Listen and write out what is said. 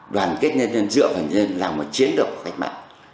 đoàn kết nhân dân dựa vào nhân dân là một chiến đấu khách mạng